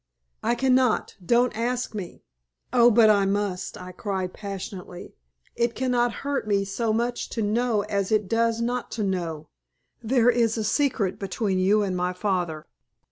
"I cannot! Don't ask me!" "Oh! but I must!" I cried, passionately. "It cannot hurt me so much to know as it does not to know. There is a secret between you and my father.